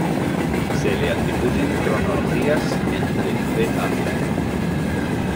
Se le atribuyen cronologías entre ca.